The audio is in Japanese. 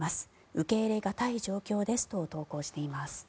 受け入れ難い状況ですと投稿しています。